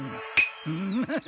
ウフフフ。